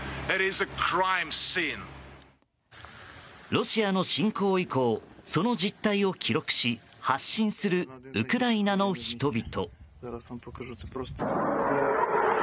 ロシアの侵攻以降その実態を記録し発信するウクライナの人々。